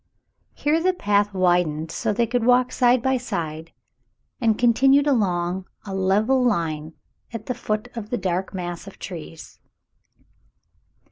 Here the path wid ened so they could walk side by side, and continued along a level line at the foot of the dark mass of trees.